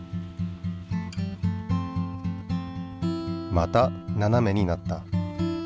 またななめになった。